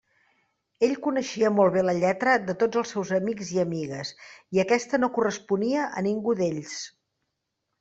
Ell coneixia molt bé la lletra de tots els seus amics i amigues i aquesta no corresponia a ningú d'ells.